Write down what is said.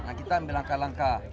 nah kita ambil langkah langkah